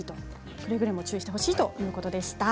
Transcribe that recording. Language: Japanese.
くれぐれも注意してほしいということでした。